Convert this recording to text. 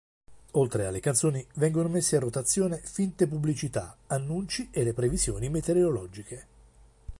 Oltre alle canzoni vengono messe in rotazione finte pubblicità, annunci e le previsioni meteorologiche.